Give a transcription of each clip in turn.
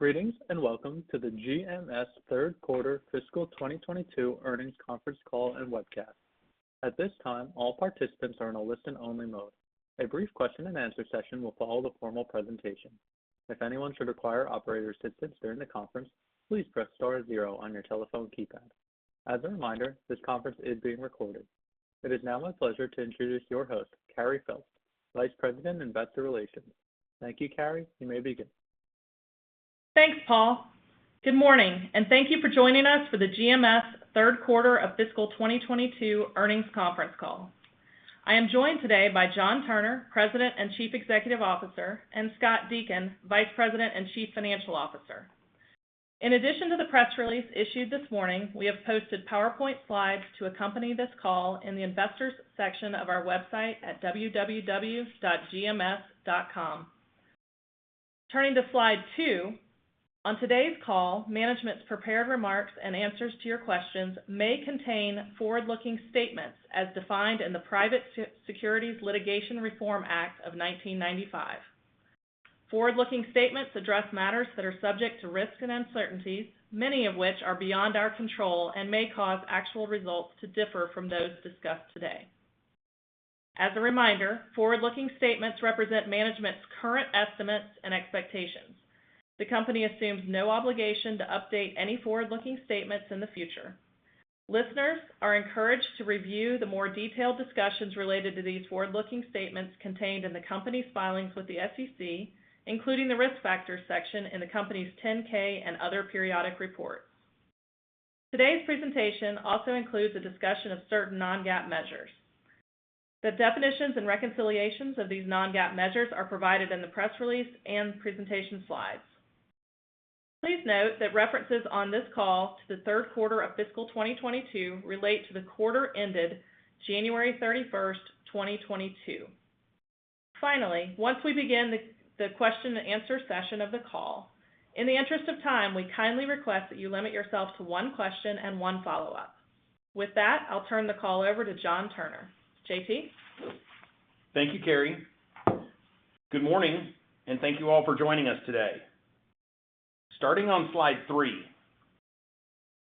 Greetings, and welcome to the GMS Q3 fiscal 2022 Earnings Conference Call and webcast. At this time, all participants are in a listen-only mode. A brief Q&A session will follow the formal presentation. If anyone should require operator assistance during the conference, please press star zero on your telephone keypad. As a reminder, this conference is being recorded. It is now my pleasure to introduce your host, Carey Phelps, Vice President, Investor Relations. Thank you, Carey. You may begin. Thanks, Paul. Good morning, and thank you for joining us for the GMS Q3 of fiscal 2022 earnings conference call. I am joined today by John Turner, President and Chief Executive Officer, and Scott Deakin, Vice President and Chief Financial Officer. In addition to the press release issued this morning, we have posted PowerPoint slides to accompany this call in the investors section of our website at www.gms.com. Turning to slide two, on today's call, management's prepared remarks and answers to your questions may contain forward-looking statements as defined in the Private Securities Litigation Reform Act of 1995. Forward-looking statements address matters that are subject to risks and uncertainties, many of which are beyond our control and may cause actual results to differ from those discussed today. As a reminder, forward-looking statements represent management's current estimates and expectations. The company assumes no obligation to update any forward-looking statements in the future. Listeners are encouraged to review the more detailed discussions related to these forward-looking statements contained in the company's filings with the SEC, including the Risk Factors section in the company's 10-K and other periodic reports. Today's presentation also includes a discussion of certain non-GAAP measures. The definitions and reconciliations of these non-GAAP measures are provided in the press release and presentation slides. Please note that references on this call to the Q3 of fiscal 2022 relate to the quarter ended January 31st, 2022. Finally, once we begin the Q&A session of the call, in the interest of time, we kindly request that you limit yourself to one question and one follow-up. With that, I'll turn the call over to John Turner. JT. Thank you, Carey. Good morning, and thank you all for joining us today. Starting on slide three,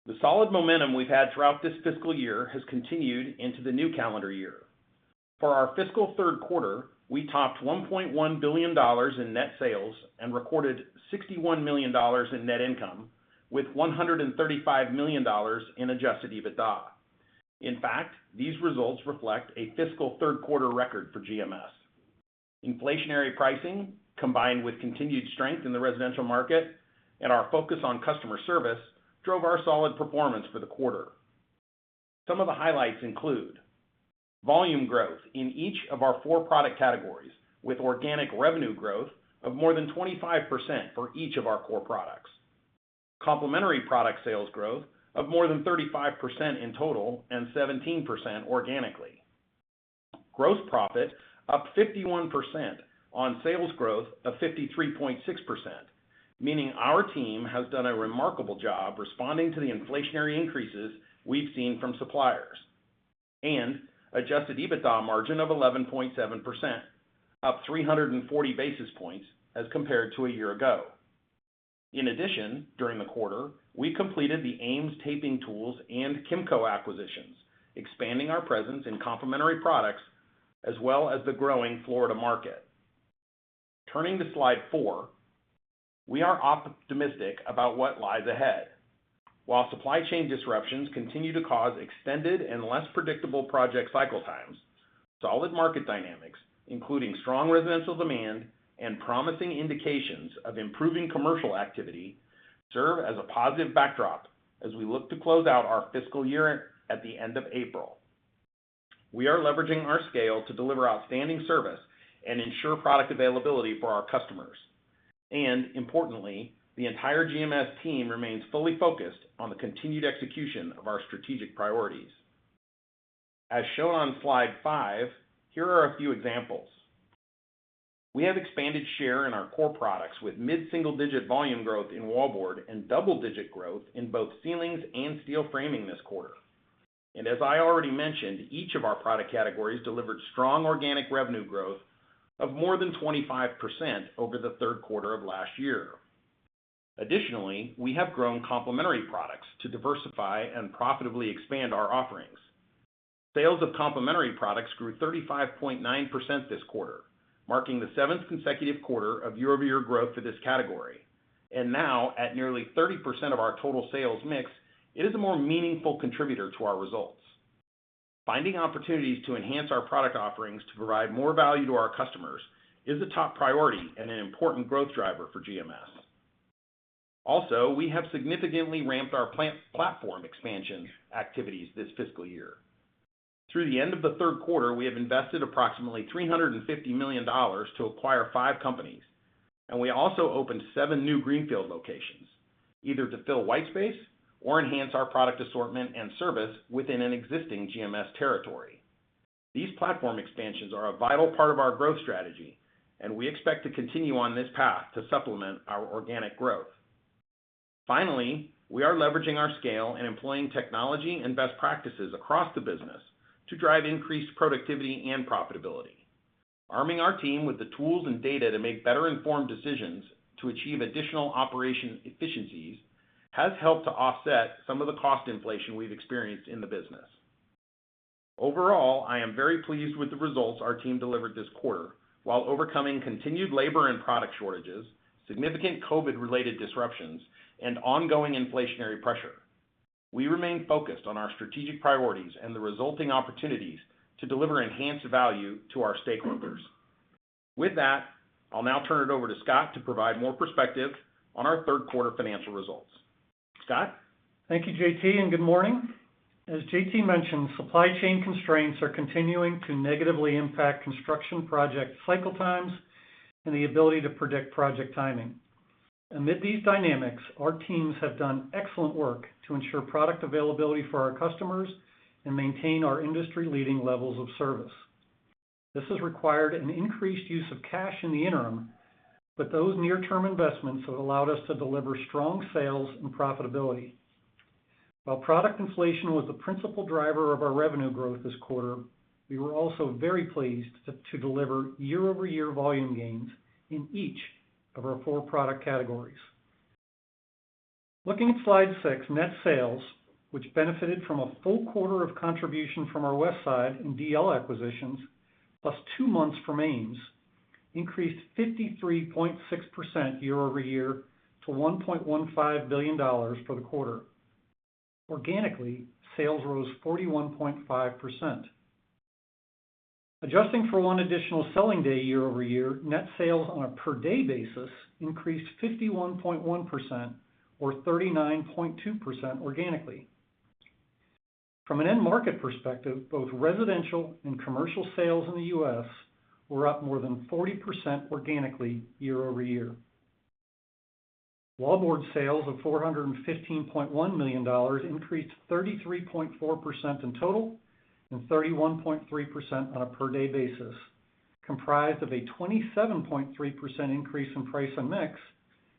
the solid momentum we've had throughout this fiscal year has continued into the new calendar year. For our fiscalQ3, we topped $1.1 billion in net sales and recorded $61 million in net income with $135 million in adjusted EBITDA. In fact, these results reflect a fiscal Q3 record for GMS. Inflationary pricing, combined with continued strength in the residential market and our focus on customer service, drove our solid performance for the quarter. Some of the highlights include volume growth in each of our four product categories, with organic revenue growth of more than 25% for each of our core products. Complementary product sales growth of more than 35% in total and 17% organically. Gross profit up 51% on sales growth of 53.6%, meaning our team has done a remarkable job responding to the inflationary increases we've seen from suppliers. Adjusted EBITDA margin of 11.7%, up 340 basis points as compared to a year ago. In addition, during the quarter, we completed the Ames Taping Tools and Kimco acquisitions, expanding our presence in Complementary Products as well as the growing Florida market. Turning to slide four, we are optimistic about what lies ahead. While supply chain disruptions continue to cause extended and less predictable project cycle times, solid market dynamics, including strong residential demand and promising indications of improving commercial activity, serve as a positive backdrop as we look to close out our fiscal year at the end of April. We are leveraging our scale to deliver outstanding service and ensure product availability for our customers. Importantly, the entire GMS team remains fully focused on the continued execution of our strategic priorities. As shown on slide five, here are a few examples. We have expanded share in our core products with mid-single-digit volume growth in Wallboard and double-digit growth in both Ceilings and Steel Framing this quarter. As I already mentioned, each of our product categories delivered strong organic revenue growth of more than 25% over the Q3 of last year. Additionally, we have grown Complementary Products to diversify and profitably expand our offerings. Sales of Complementary Products grew 35.9% this quarter, marking the 7th consecutive quarter of year-over-year growth for this category. Now, at nearly 30% of our total sales mix, it is a more meaningful contributor to our results. Finding opportunities to enhance our product offerings to provide more value to our customers is a top priority and an important growth driver for GMS. Also, we have significantly ramped our plant platform expansion activities this fiscal year. Through the end of the Q3, we have invested approximately $350 million to acquire five companies, and we also opened seven new Greenfield locations, either to fill whitespace or enhance our product assortment and service within an existing GMS territory. These platform expansions are a vital part of our growth strategy, and we expect to continue on this path to supplement our organic growth. Finally, we are leveraging our scale and employing technology and best practices across the business to drive increased productivity and profitability. Arming our team with the tools and data to make better informed decisions to achieve additional operation efficiencies has helped to offset some of the cost inflation we've experienced in the business. Overall, I am very pleased with the results our team delivered this quarter while overcoming continued labor and product shortages, significant COVID-related disruptions, and ongoing inflationary pressure. We remain focused on our strategic priorities and the resulting opportunities to deliver enhanced value to our stakeholders. With that, I'll now turn it over to Scott to provide more perspective on our Q3 financial results. Scott? Thank you, JT, and good morning. As JT mentioned, supply chain constraints are continuing to negatively impact construction project cycle times and the ability to predict project timing. Amid these dynamics, our teams have done excellent work to ensure product availability for our customers and maintain our industry-leading levels of service. This has required an increased use of cash in the interim, but those near-term investments have allowed us to deliver strong sales and profitability. While product inflation was the principal driver of our revenue growth this quarter, we were also very pleased to deliver year-over-year volume gains in each of our four product categories. Looking at slide six, net sales, which benefited from a full quarter of contribution from our Westside and D.L. acquisitions, plus two months for Ames, increased 53.6% year-over-year to $1.15 billion for the quarter. Organically, sales rose 41.5%. Adjusting for 1 additional selling day year-over-year, net sales on a per-day basis increased 51.1% or 39.2% organically. From an end market perspective, both residential and commercial sales in the U.S. were up more than 40% organically year-over-year. Wallboard sales of $415.1 million increased 33.4% in total and 31.3% on a per-day basis, comprised of a 27.3% increase in price and mix,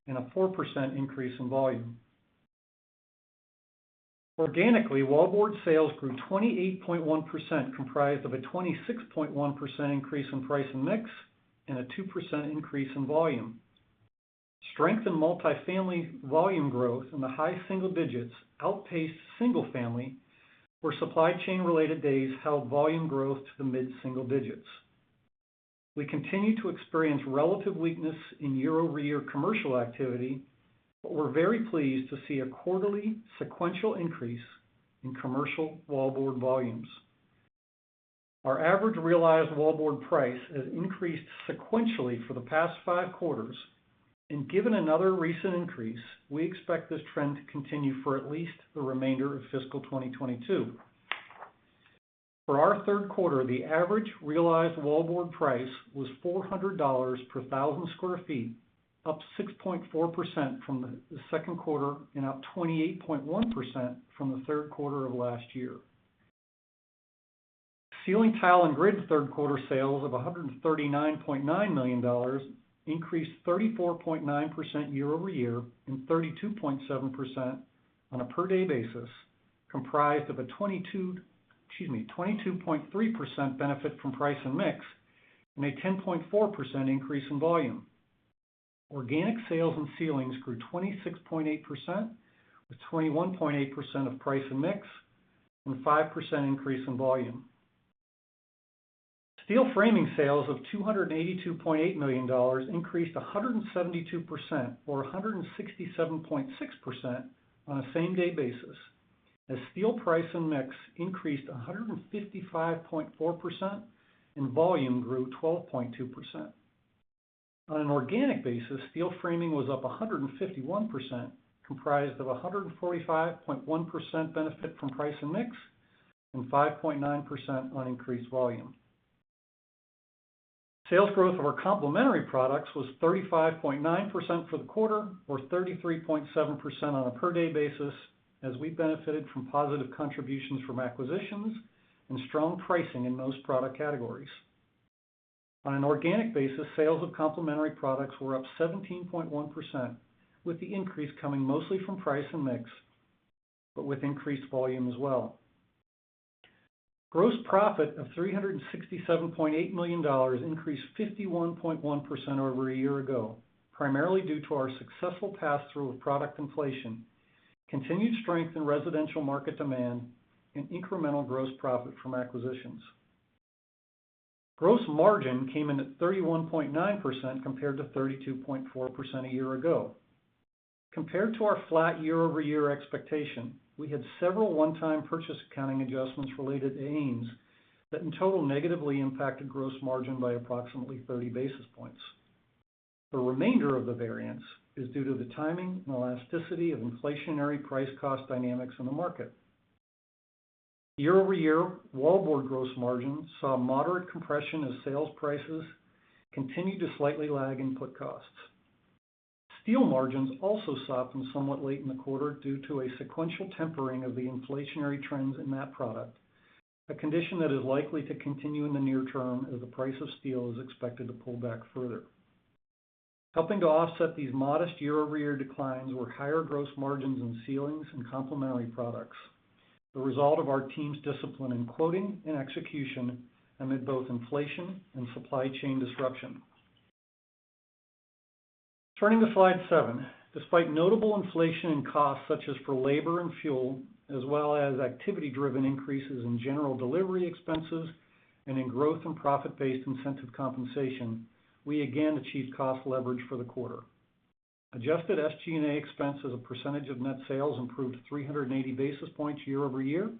and a 4% increase in volume. Organically, Wallboard sales grew 28.1%, comprised of a 26.1% increase in price and mix, and a 2% increase in volume. Strength in multi-family volume growth in the high single digits outpaced single family, where supply chain related days held volume growth to the mid-single digits. We continue to experience relative weakness in year-over-year commercial activity, but we're very pleased to see a quarterly sequential increase in commercial wallboard volumes. Our average realized wallboard price has increased sequentially for the past five quarters, and given another recent increase, we expect this trend to continue for at least the remainder of fiscal 2022. For our Q3, the average realized wallboard price was $400 per thousand sq ft, up 6.4% from the Q2 and up 28.1% from the Q3 of last year. Ceiling tile and grid Q3 sales of $139.9 million increased 34.9% year-over-year and 32.7% on a per-day basis, comprised of a 22, Excuse me, 22.3% benefit from price and mix, and a 10.4% increase in volume. Organic sales in Ceilings grew 26.8%, with 21.8% of price and mix and 5% increase in volume. Steel Framing sales of $282.8 million increased 172% or 167.6% on a same-day basis as steel price and mix increased 155.4% and volume grew 12.2%. On an organic basis, Steel Framing was up 151%, comprised of a 145.1% benefit from price and mix, and 5.9% on increased volume. Sales growth of our Complementary Products was 35.9% for the quarter, or 33.7% on a per-day basis as we benefited from positive contributions from acquisitions and strong pricing in those product categories. On an organic basis, sales of Complementary Products were up 17.1%, with the increase coming mostly from price and mix, but with increased volume as well. Gross profit of $367.8 million increased 51.1% over a year ago, primarily due to our successful pass-through of product inflation, continued strength in residential market demand, and incremental gross profit from acquisitions. Gross margin came in at 31.9% compared to 32.4% a year ago. Compared to our flat year-over-year expectation, we had several one-time purchase accounting adjustments related to Ames that in total negatively impacted gross margin by approximately 30 basis points. The remainder of the variance is due to the timing and elasticity of inflationary price cost dynamics in the market. Year-over-year, Wallboard gross margins saw moderate compression as sales prices continued to slightly lag input costs. Steel margins also softened somewhat late in the quarter due to a sequential tempering of the inflationary trends in that product. A condition that is likely to continue in the near term as the price of steel is expected to pull back further. Helping to offset these modest year-over-year declines were higher gross margins in Ceilings and Complementary Products, the result of our team's discipline in quoting and execution amid both inflation and supply chain disruption. Turning to slide seven. Despite notable inflation in costs, such as for labor and fuel, as well as activity-driven increases in general delivery expenses and in growth and profit-based incentive compensation, we again achieved cost leverage for the quarter. Adjusted SG&A expense as a percentage of net sales improved 380 basis points year-over-year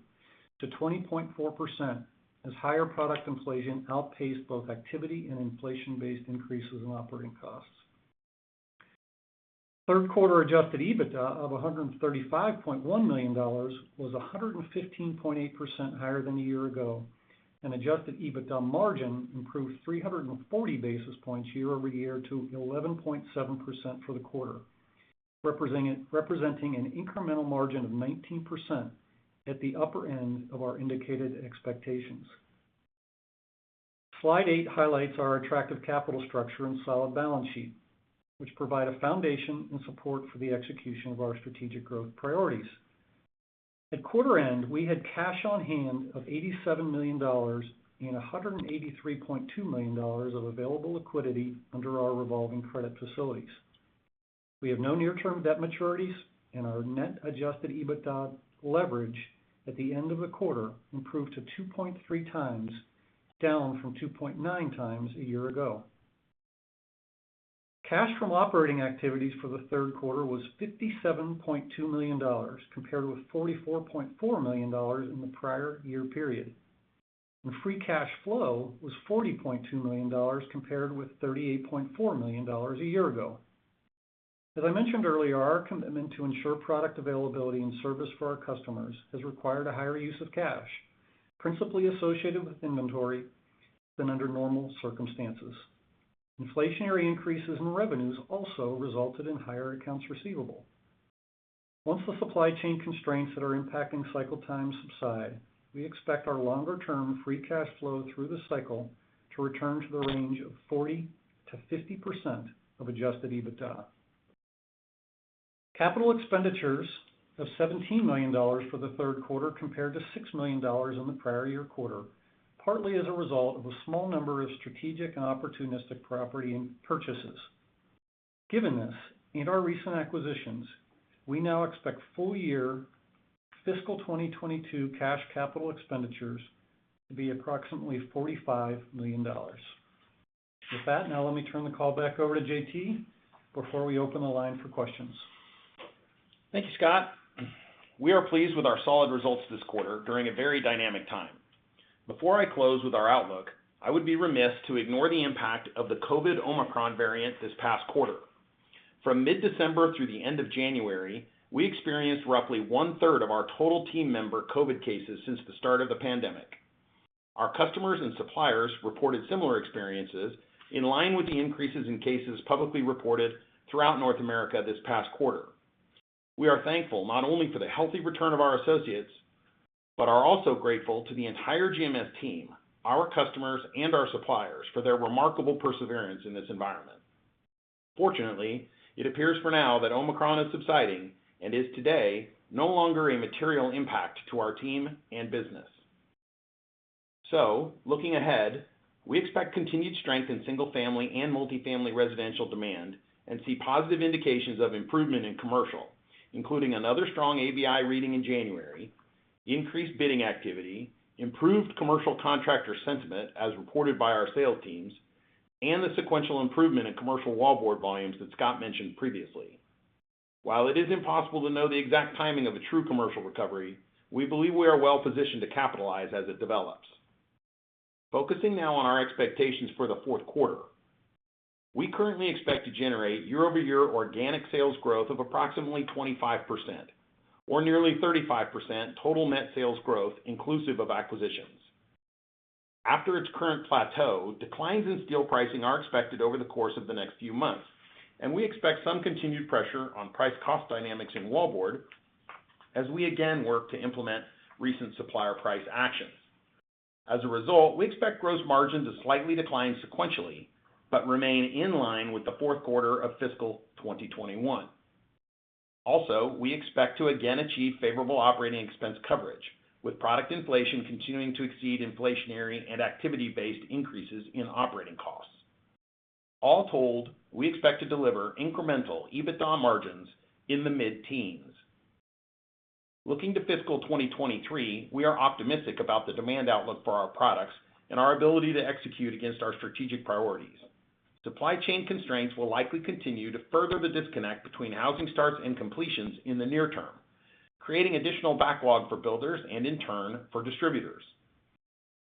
to 20.4% as higher product inflation outpaced both activity and inflation-based increases in operating costs. Q3 adjusted EBITDA of $135.1 million was 115.8% higher than a year ago, and adjusted EBITDA margin improved 340 basis points year-over-year to 11.7% for the quarter. Representing an incremental margin of 19% at the upper end of our indicated expectations. Slide eight highlights our attractive capital structure and solid balance sheet, which provide a foundation and support for the execution of our strategic growth priorities. At quarter end, we had cash on hand of $87 million and $183.2 million of available liquidity under our revolving credit facilities. We have no near-term debt maturities and our net adjusted EBITDA leverage at the end of the quarter improved to 2.3x, down from 2.9x a year ago. Cash from operating activities for the Q3 was $57.2 million, compared with $44.4 million in the prior year period. Free cash flow was $40.2 million compared with $38.4 million a year ago. As I mentioned earlier, our commitment to ensure product availability and service for our customers has required a higher use of cash, principally associated with inventory than under normal circumstances. Inflationary increases in revenues also resulted in higher accounts receivable. Once the supply chain constraints that are impacting cycle times subside, we expect our longer-term free cash flow through the cycle to return to the range of 40% to 50% of adjusted EBITDA. Capital expenditures of $17 million for the Q3 compared to $6 million in the prior year quarter, partly as a result of a small number of strategic and opportunistic property purchases. Given this and our recent acquisitions, we now expect full-year FY 2022 cash capital expenditures to be approximately $45 million. With that, now let me turn the call back over to JT before we open the line for questions. Thank you, Scott. We are pleased with our solid results this quarter during a very dynamic time. Before I close with our outlook, I would be remiss to ignore the impact of the COVID Omicron variant this past quarter. From mid-December through the end of January, we experienced roughly one-third of our total team member COVID cases since the start of the pandemic. Our customers and suppliers reported similar experiences in line with the increases in cases publicly reported throughout North America this past quarter. We are thankful not only for the healthy return of our associates, but are also grateful to the entire GMS team, our customers, and our suppliers for their remarkable perseverance in this environment. Fortunately, it appears for now that Omicron is subsiding and is today no longer a material impact to our team and business. Looking ahead, we expect continued strength in single-family and multi-family residential demand and see positive indications of improvement in commercial, including another strong ABI reading in January, increased bidding activity, improved commercial contractor sentiment as reported by our sales teams, and the sequential improvement in commercial Wallboard volumes that Scott mentioned previously. While it is impossible to know the exact timing of a true commercial recovery, we believe we are well positioned to capitalize as it develops. Focusing now on our expectations for the Q4. We currently expect to generate year-over-year organic sales growth of approximately 25% or nearly 35% total net sales growth inclusive of acquisitions. After its current plateau, declines in steel pricing are expected over the course of the next few months, and we expect some continued pressure on price cost dynamics in wallboard as we again work to implement recent supplier price actions. As a result, we expect gross margin to slightly decline sequentially, but remain in line with the Q4 of fiscal 2021. Also, we expect to again achieve favorable operating expense coverage, with product inflation continuing to exceed inflationary and activity-based increases in operating costs. All told, we expect to deliver incremental EBITDA margins in the mid-teens. Looking to fiscal 2023, we are optimistic about the demand outlook for our products and our ability to execute against our strategic priorities. Supply chain constraints will likely continue to further the disconnect between housing starts and completions in the near term, creating additional backlog for builders and in turn, for distributors.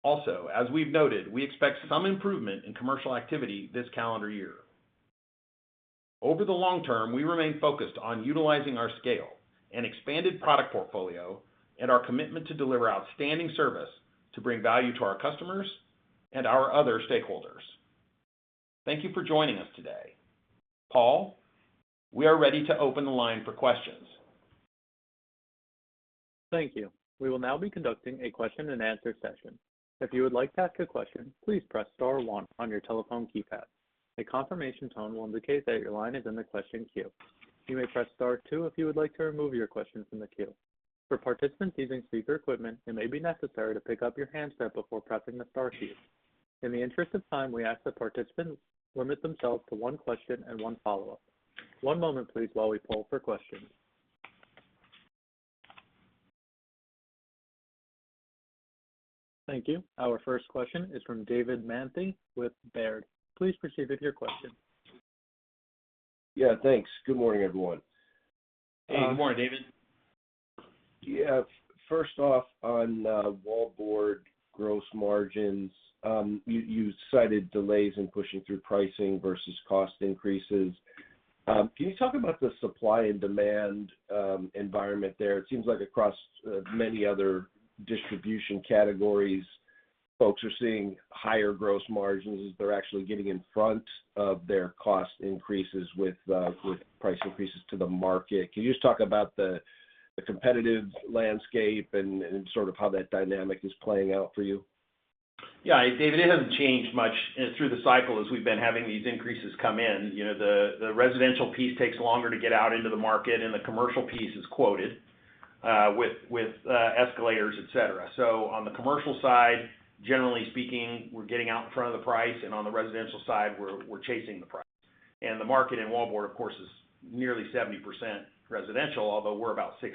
Also, as we've noted, we expect some improvement in commercial activity this calendar year. Over the long term, we remain focused on utilizing our scale and expanded product portfolio and our commitment to deliver outstanding service to bring value to our customers and our other stakeholders. Thank you for joining us today. Paul, we are ready to open the line for questions. Thank you. We will now be conducting a Q&A session. If you would like to ask a question, please press star one on your telephone keypad. A confirmation tone will indicate that your line is in the question queue. You may press star two if you would like to remove your question from the queue. For participants using speaker equipment, it may be necessary to pick up your handset before pressing the star key. In the interest of time, we ask that participants limit themselves to one question and one follow-up. One moment, please, while we poll for questions. Thank you. Our first question is from David Manthey with Baird. Please proceed with your question. Yeah, thanks. Good morning, everyone. Hey, good morning, David. Yeah. First off, on Wallboard gross margins, you cited delays in pushing through pricing versus cost increases. Can you talk about the supply and demand environment there? It seems like across many other distribution categories, folks are seeing higher gross margins as they're actually getting in front of their cost increases with price increases to the market. Can you just talk about the competitive landscape and sort of how that dynamic is playing out for you? Yeah. David, it hasn't changed much through the cycle as we've been having these increases come in. You know, the residential piece takes longer to get out into the market, and the commercial piece is quoted with escalators, et cetera. On the commercial side, generally speaking, we're getting out in front of the price, and on the residential side, we're chasing the price. The market in Wallboard, of course, is nearly 70% residential, although we're about 60%.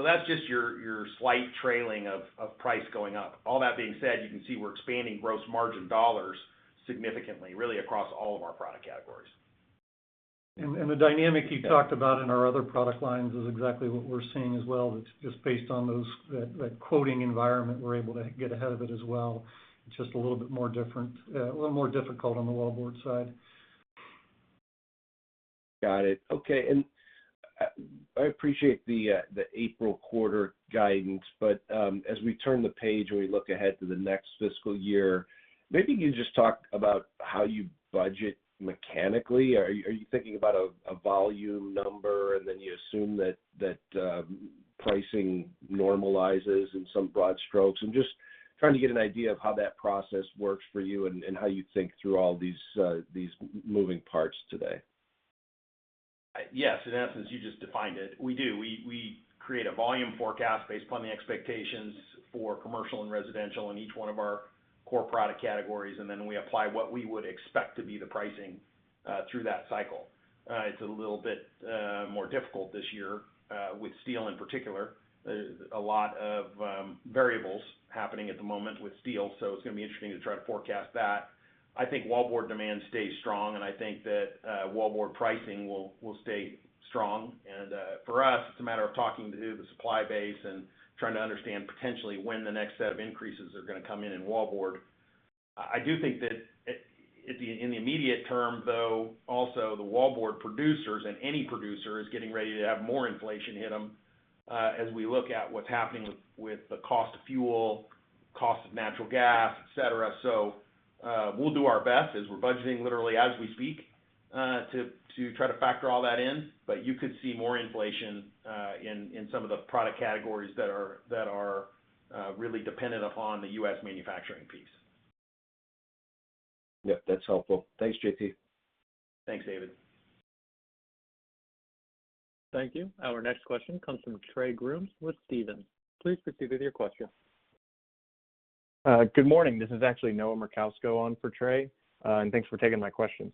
That's just your slight trailing of price going up. All that being said, you can see we're expanding gross margin dollars significantly, really across all of our product categories. The dynamic you talked about in our other product lines is exactly what we're seeing as well. It's just based on that quoting environment, we're able to get ahead of it as well. Just a little bit more difficult on the Wallboard side. Got it. Okay. I appreciate the April quarter guidance, but as we turn the page and we look ahead to the next fiscal year, maybe you can just talk about how you budget mechanically. Are you thinking about a volume number, and then you assume that pricing normalizes in some broad strokes? I'm just trying to get an idea of how that process works for you and how you think through all these moving parts today. Yes. In essence, you just defined it. We do. We create a volume forecast based upon the expectations for commercial and residential in each one of our core product categories, and then we apply what we would expect to be the pricing through that cycle. It's a little bit more difficult this year with steel in particular. There's a lot of variables happening at the moment with steel, so it's gonna be interesting to try to forecast that. I think Wallboard demand stays strong, and I think that Wallboard pricing will stay strong. For us, it's a matter of talking to the supply base and trying to understand potentially when the next set of increases are gonna come in in Wallboard. I do think that in the immediate term, though, also the wallboard producers and any producer is getting ready to have more inflation hit them, as we look at what's happening with the cost of fuel, cost of natural gas, et cetera. We'll do our best as we're budgeting literally as we speak, to try to factor all that in. But you could see more inflation in some of the product categories that are really dependent upon the U.S. manufacturing piece. Yep, that's helpful. Thanks, JT. Thanks, David. Thank you. Our next question comes from Trey Grooms with Stephens. Please proceed with your question. Good morning. This is actually Noah Merkousko on for Trey. Thanks for taking my questions.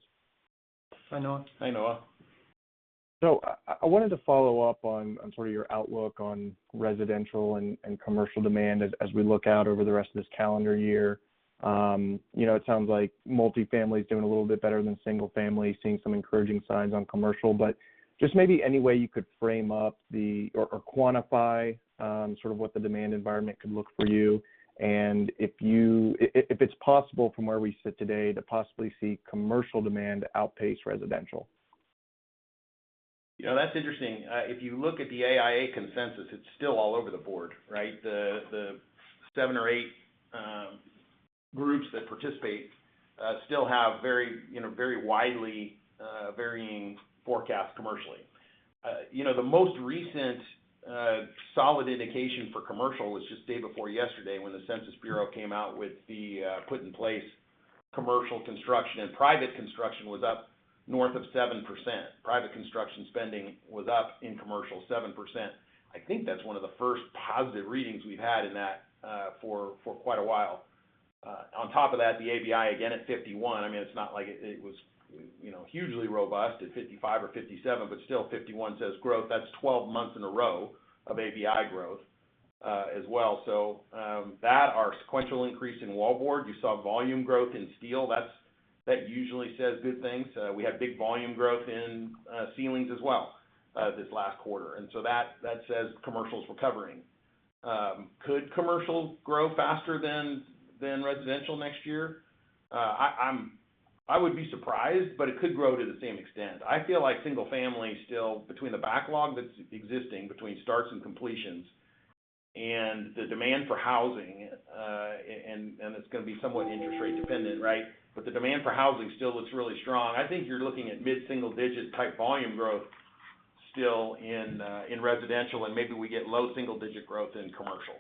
Hi, Noah. Hi, Noah. I wanted to follow up on sort of your outlook on residential and commercial demand as we look out over the rest of this calendar year. You know, it sounds like multifamily is doing a little bit better than single family, seeing some encouraging signs on commercial. Just maybe any way you could frame up or quantify sort of what the demand environment could look like for you, and if it's possible from where we sit today to possibly see commercial demand outpace residential. You know, that's interesting. If you look at the AIA consensus, it's still all over the board, right? The seven or eight groups that participate still have very, you know, very widely varying forecasts commercially. You know, the most recent solid indication for commercial was just day before yesterday when the Census Bureau came out with the put in place commercial construction and private construction was up north of 7%. Private construction spending was up in commercial 7%. I think that's one of the first positive readings we've had in that for quite a while. On top of that, the ABI again at 51. I mean, it's not like it was, you know, hugely robust at 55 or 57, but still 51 says growth. That's 12 months in a row of ABI growth as well. Our sequential increase in Wallboard, you saw volume growth in Steel, that usually says good things. We have big volume growth in Ceilings as well this last quarter. That says commercial's recovering. Could commercial grow faster than residential next year? I would be surprised, but it could grow to the same extent. I feel like single family still between the backlog that's existing between starts and completions and the demand for housing, and it's gonna be somewhat interest rate dependent, right? The demand for housing still looks really strong. I think you're looking at mid-single digit type volume growth still in residential, and maybe we get low single digit growth in commercial.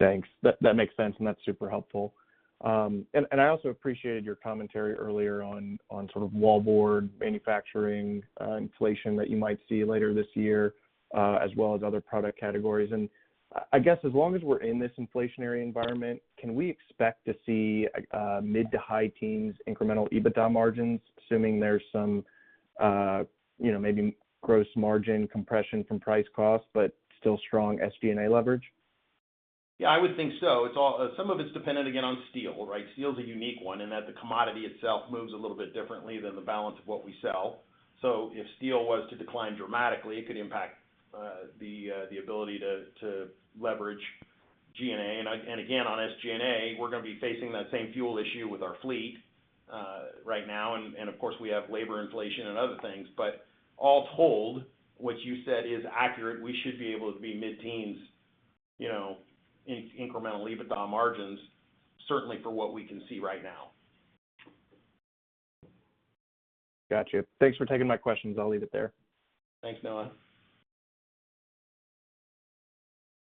Thanks. That makes sense, and that's super helpful. I also appreciated your commentary earlier on sort of wallboard manufacturing inflation that you might see later this year, as well as other product categories. I guess as long as we're in this inflationary environment, can we expect to see a mid- to high-teens incremental EBITDA margins assuming there's some you know, maybe gross margin compression from price cost, but still strong SG&A leverage? Yeah, I would think so. Some of it's dependent again on steel, right? Steel's a unique one in that the commodity itself moves a little bit differently than the balance of what we sell. If steel was to decline dramatically, it could impact the ability to leverage G&A. Again, on SG&A, we're gonna be facing that same fuel issue with our fleet right now, and of course, we have labor inflation and other things. All told, what you said is accurate. We should be able to be mid-teens, you know, in incremental EBITDA margins, certainly for what we can see right now. Gotcha. Thanks for taking my questions. I'll leave it there. Thanks, Noah.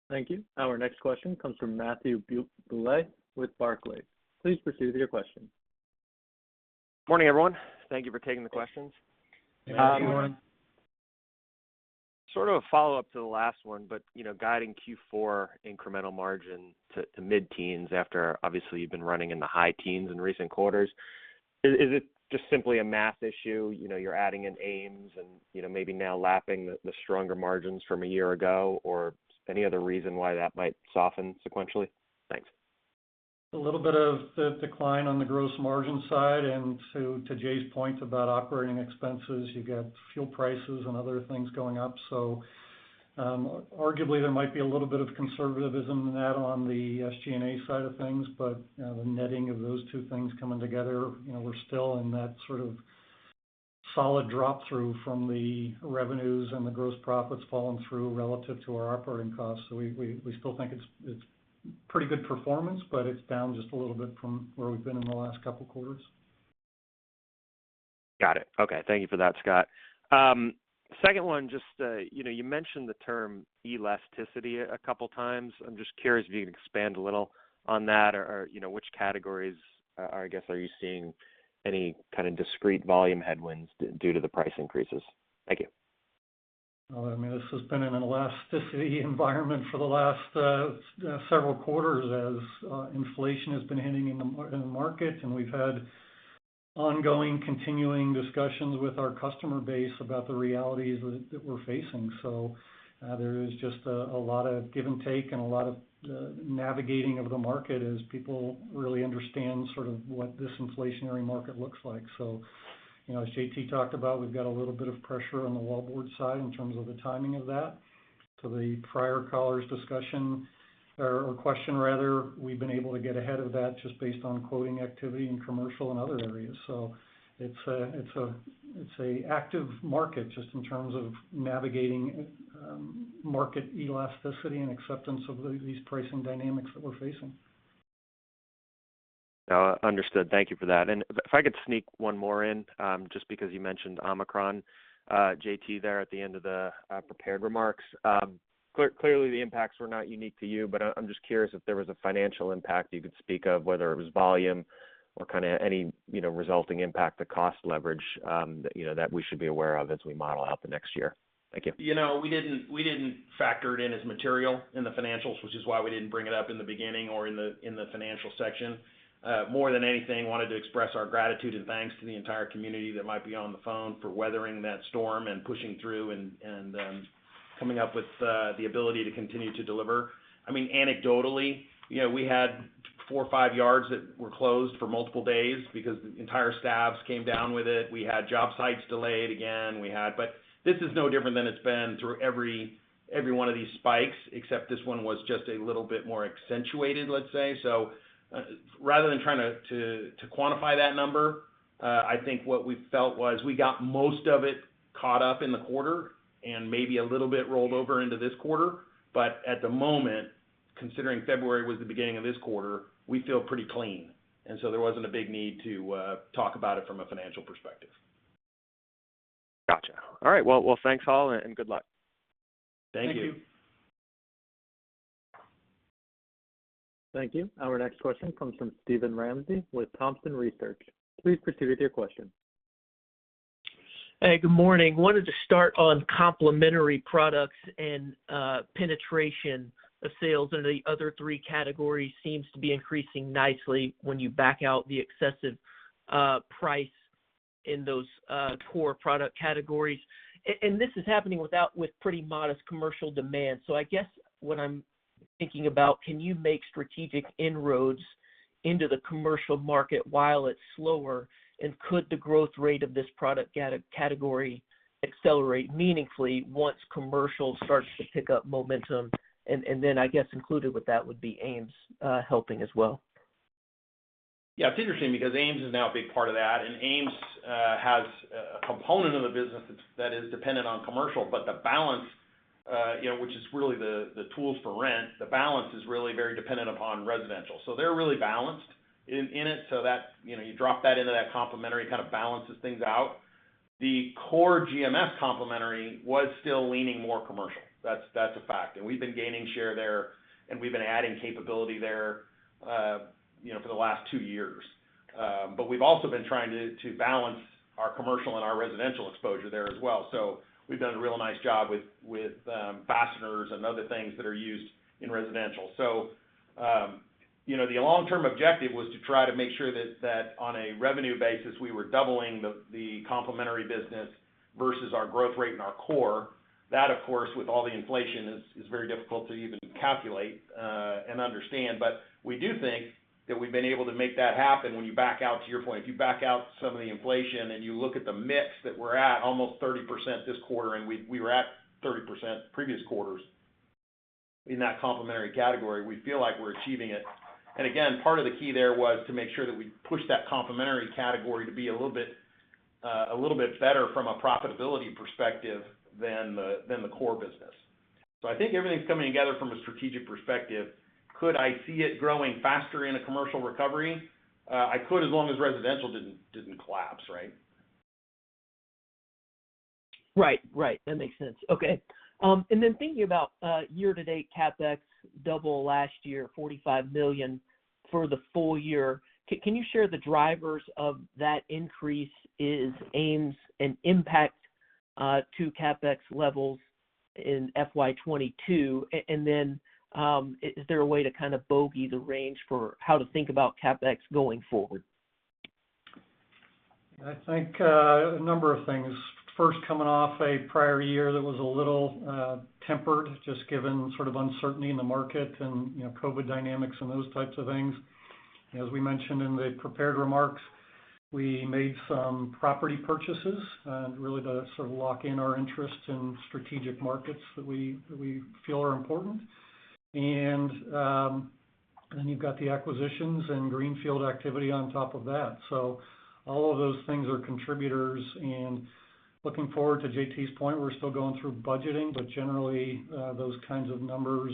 Thank you. Our next question comes from Matthew Bouley with Barclays. Please proceed with your question. Morning, everyone. Thank you for taking the questions. Morning. Morning. Sort of a follow-up to the last one, but, you know, guiding Q4 incremental margin to mid-teens after obviously you've been running in the high teens in recent quarters. Is it just simply a math issue? You know, you're adding in Ames and, you know, maybe now lapping the stronger margins from a year ago, or any other reason why that might soften sequentially? Thanks. A little bit of the decline on the gross margin side and to Jay's point about operating expenses, you got fuel prices and other things going up. Arguably, there might be a little bit of conservatism in that on the SG&A side of things, but, you know, the netting of those two things coming together, you know, we're still in that sort of solid drop-through from the revenues and the gross profits falling through relative to our operating costs. We still think it's pretty good performance, but it's down just a little bit from where we've been in the last couple quarters. Got it. Okay. Thank you for that, Scott. Second one, just, you know, you mentioned the term elasticity a couple times. I'm just curious if you can expand a little on that or, you know, which categories, I guess, are you seeing any kind of discrete volume headwinds due to the price increases? Thank you. Well, I mean, this has been an elasticity environment for the last several quarters as inflation has been hitting in the market, and we've had ongoing, continuing discussions with our customer base about the realities that we're facing. There is just a lot of give and take and a lot of navigating of the market as people really understand sort of what this inflationary market looks like. You know, as JT talked about, we've got a little bit of pressure on the Wallboard side in terms of the timing of that. To the prior caller's discussion or question rather, we've been able to get ahead of that just based on quoting activity in commercial and other areas. It's an active market just in terms of navigating market elasticity and acceptance of these pricing dynamics that we're facing. No, understood. Thank you for that. If I could sneak one more in, just because you mentioned Omicron, JT, there at the end of the prepared remarks. Clearly, the impacts were not unique to you, but I'm just curious if there was a financial impact you could speak of, whether it was volume or kinda any, you know, resulting impact to cost leverage, you know, that we should be aware of as we model out the next year. Thank you. You know, we didn't factor it in as material in the financials, which is why we didn't bring it up in the beginning or in the financial section. More than anything, wanted to express our gratitude and thanks to the entire community that might be on the phone for weathering that storm and pushing through and coming up with the ability to continue to deliver. I mean, anecdotally, you know, we had four or five yards that were closed for multiple days because entire staffs came down with it. We had job sites delayed again. This is no different than it's been through every one of these spikes, except this one was just a little bit more accentuated, let's say. Rather than trying to quantify that number, I think what we felt was we got most of it caught up in the quarter and maybe a little bit rolled over into this quarter. At the moment, considering February was the beginning of this quarter, we feel pretty clean. There wasn't a big need to talk about it from a financial perspective. Gotcha. All right. Well, well, thanks all, and good luck. Thank you. Thank you. Thank you. Our next question comes from Steven Ramsey with Thompson Research. Please proceed with your question. Hey, good morning. Wanted to start on Complementary Products and penetration of sales into the other three categories seems to be increasing nicely when you back out the excessive price in those core product categories. This is happening with pretty modest commercial demand. I guess what I'm thinking about, can you make strategic inroads into the commercial market while it's slower? Could the growth rate of this product category accelerate meaningfully once commercial starts to pick up momentum? Then I guess included with that would be Ames helping as well. Yeah, it's interesting because Ames is now a big part of that, and Ames has a component of the business that is dependent on commercial. The balance, you know, which is really the tools for rent, the balance is really very dependent upon residential. They're really balanced in it, so that's, you know, you drop that into that complementary kind of balances things out. The core GMS complementary was still leaning more commercial. That's a fact. We've been gaining share there, and we've been adding capability there, you know, for the last two years. We've also been trying to balance our commercial and our residential exposure there as well. We've done a real nice job with fasteners and other things that are used in residential. You know, the long-term objective was to try to make sure that on a revenue basis, we were doubling the complementary business versus our growth rate and our core. That, of course, with all the inflation is very difficult to even calculate and understand. But we do think that we've been able to make that happen when you back out, to your point, if you back out some of the inflation and you look at the mix that we're at, almost 30% this quarter, and we were at 30% previous quarters in that complementary category, we feel like we're achieving it. And again, part of the key there was to make sure that we pushed that complementary category to be a little bit better from a profitability perspective than the core business. I think everything's coming together from a strategic perspective. Could I see it growing faster in a commercial recovery? I could, as long as residential didn't collapse, right? Right. That makes sense. Okay. Thinking about year-to-date CapEx doubled last year, $45 million for the full year. Can you share the drivers of that increase? Is Ames an impact to CapEx levels in FY 2022? Is there a way to kind of bogey the range for how to think about CapEx going forward? I think a number of things. First, coming off a prior year that was a little tempered, just given sort of uncertainty in the market and, you know, COVID dynamics and those types of things. As we mentioned in the prepared remarks, we made some property purchases really to sort of lock in our interest in strategic markets that we feel are important. Then you've got the acquisitions and greenfield activity on top of that. All of those things are contributors, and looking forward to JT's point, we're still going through budgeting. Generally, those kinds of numbers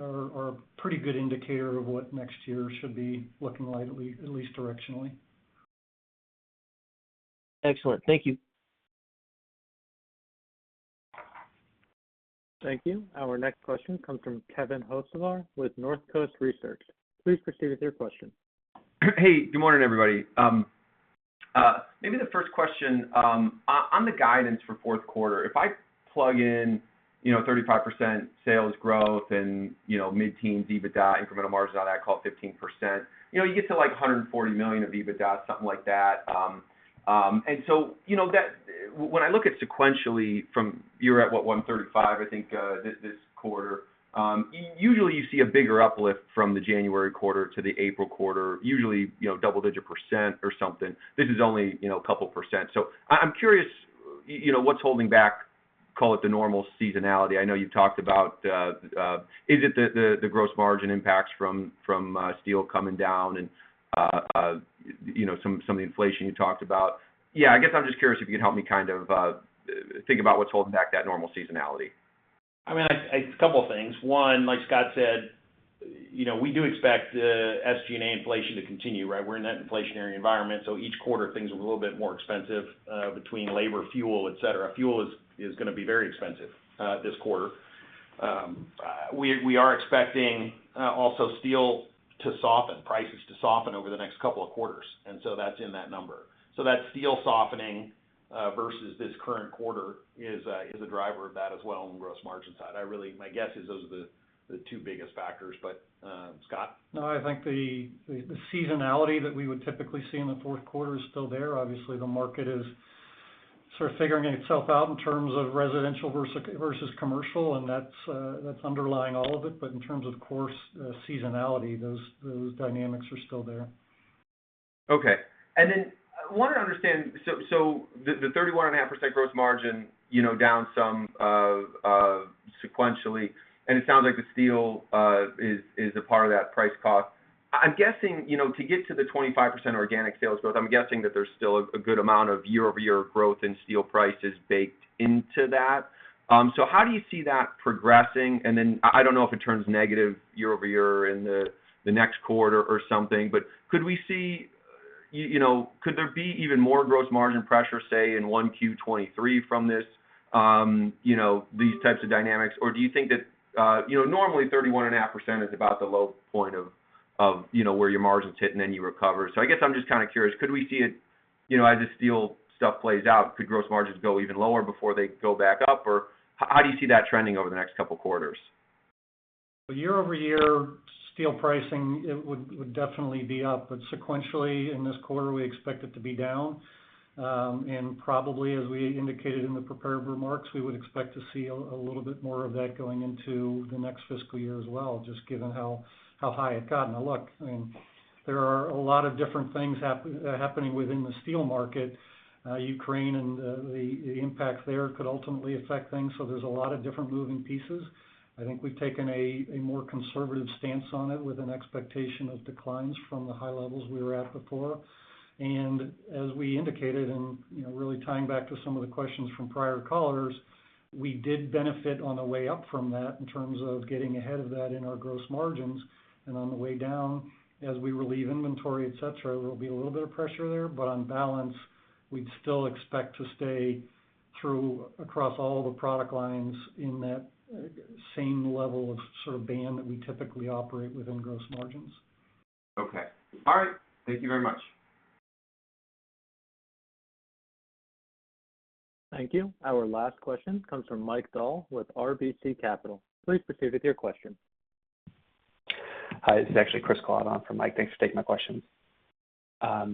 are a pretty good indicator of what next year should be looking like at least directionally. Excellent. Thank you. Thank you. Our next question comes from Kevin Hocevar with Northcoast Research. Please proceed with your question. Hey, good morning, everybody. Maybe the first question, on the guidance for Q4, if I plug in, you know, 35% sales growth and, you know, mid-teen EBITDA, incremental margins on that call 15%, you know, you get to, like, $140 million of EBITDA, something like that. When I look at sequentially from you're at what? $135, I think, this quarter, usually you see a bigger uplift from the January quarter to the April quarter, usually, you know, double-digit percent or something. This is only, you know, a couple percent. I'm curious, you know, what's holding back, call it the normal seasonality? I know you've talked about the gross margin impacts from steel coming down and you know some of the inflation you talked about? Yeah, I guess I'm just curious if you could help me kind of think about what's holding back that normal seasonality. I mean, a couple of things. One, like Scott said, you know, we do expect SG&A inflation to continue, right? We're in that inflationary environment, so each quarter things are a little bit more expensive between labor, fuel, et cetera. Fuel is gonna be very expensive this quarter. We are expecting also steel to soften, prices to soften over the next couple of quarters, and so that's in that number. So that steel softening versus this current quarter is a driver of that as well on the gross margin side. My guess is those are the two biggest factors, but Scott? No, I think the seasonality that we would typically see in the Q4 is still there. Obviously, the market is sort of figuring itself out in terms of residential versus commercial, and that's underlying all of it. In terms of seasonality, of course, those dynamics are still there. Okay. I wanna understand, so the 31.5% gross margin, you know, down some sequentially, and it sounds like the steel is a part of that price cost. I'm guessing, you know, to get to the 25% organic sales growth, I'm guessing that there's still a good amount of year-over-year growth in steel prices baked into that. So how do you see that progressing? I don't know if it turns negative year-over-year in the next quarter or something, but could we see, you know, could there be even more gross margin pressure, say, in Q1 2023 from this, you know, these types of dynamics? Do you think that, you know, normally 31.5% is about the low point of, you know, where your margins hit and then you recover. I guess I'm just kind of curious, could we see it, you know, as the steel stuff plays out, could gross margins go even lower before they go back up? How do you see that trending over the next couple quarters? Year-over-year. Steel pricing, it would definitely be up. Sequentially, in this quarter, we expect it to be down. Probably as we indicated in the prepared remarks, we would expect to see a little bit more of that going into the next fiscal year as well, just given how high it's gotten. Now look, I mean, there are a lot of different things happening within the steel market. Ukraine and the impact there could ultimately affect things. There's a lot of different moving pieces. I think we've taken a more conservative stance on it with an expectation of declines from the high levels we were at before. As we indicated, and, you know, really tying back to some of the questions from prior callers, we did benefit on the way up from that in terms of getting ahead of that in our gross margins. On the way down, as we relieve inventory, et cetera, there will be a little bit of pressure there, but on balance, we'd still expect to stay through across all the product lines in that same level of sort of band that we typically operate within gross margins. Okay. All right. Thank you very much. Thank you. Our last question comes from Mike Dahl with RBC Capital. Please proceed with your question. Hi, this is actually Chris on for Mike. Thanks for taking my question. I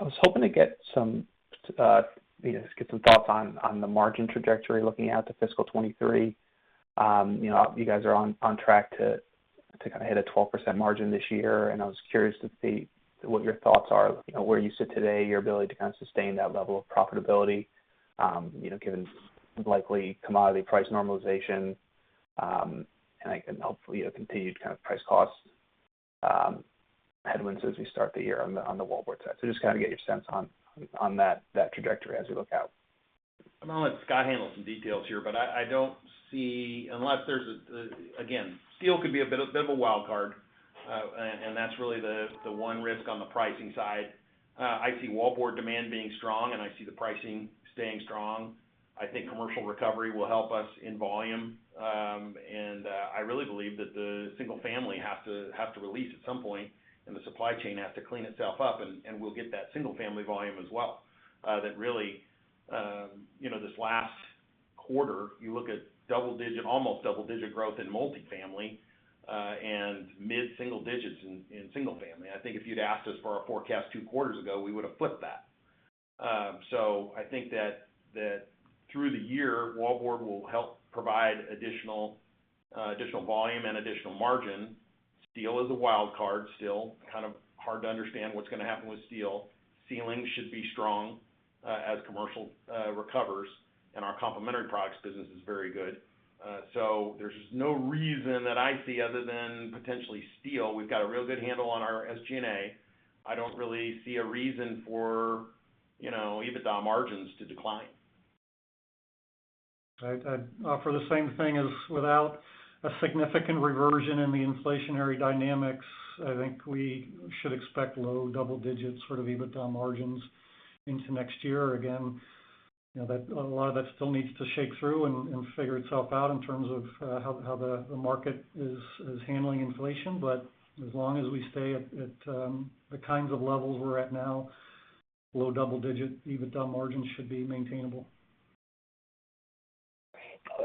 was hoping to get some, you know, get some thoughts on the margin trajectory looking out to fiscal 2023. You know, you guys are on track to kind of hit a 12% margin this year, and I was curious to see what your thoughts are, you know, where you sit today, your ability to kind of sustain that level of profitability, you know, given likely commodity price normalization, and hopefully a continued kind of price cost headwinds as we start the year on the Wallboard side. Just kind of get your sense on that trajectory as we look out. I'm gonna let Scott handle some details here, but I don't see. Again, steel could be a bit of a wild card, and that's really the one risk on the pricing side. I see Wallboard demand being strong, and I see the pricing staying strong. I think commercial recovery will help us in volume. I really believe that the single-family have to release at some point, and the supply chain has to clean itself up, and we'll get that single-family volume as well. That really, you know, this last quarter, if you look at almost double-digit growth in multifamily, and mid-single digits in single family. I think if you'd asked us for our forecast two quarters ago, we would have flipped that. I think that through the year, Wallboard will help provide additional volume and additional margin. Steel is a wild card still. Kind of hard to understand what's gonna happen with steel. Ceilings should be strong as commercial recovers, and our Complementary Products business is very good. There's just no reason that I see other than potentially steel. We've got a real good handle on our SG&A. I don't really see a reason for, you know, EBITDA margins to decline. I'd offer the same thing as without a significant reversion in the inflationary dynamics, I think we should expect low double digits sort of EBITDA margins into next year. Again, you know, a lot of that still needs to shake through and figure itself out in terms of how the market is handling inflation. As long as we stay at the kinds of levels we're at now, low double-digit EBITDA margins should be maintainable.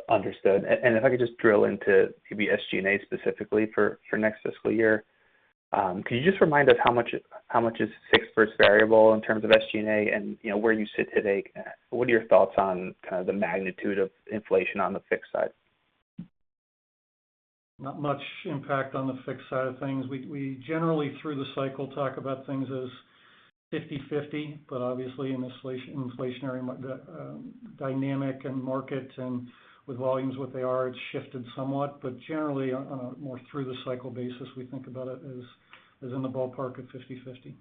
Understood. If I could just drill into maybe SG&A specifically for next fiscal year. Could you just remind us how much is fixed versus variable in terms of SG&A and, you know, where you sit today? What are your thoughts on kind of the magnitude of inflation on the fixed side? Not much impact on the fixed side of things. We generally through the cycle talk about things as 50/50, but obviously in inflationary dynamic and market and with volumes what they are, it's shifted somewhat. Generally, on a more through the cycle basis, we think about it as in the ballpark of 50/50.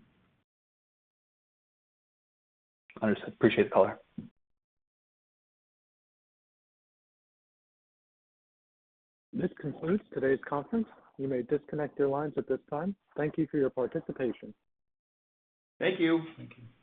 Understood. Appreciate the color. This concludes today's conference. You may disconnect your lines at this time. Thank you for your participation. Thank you. Thank you.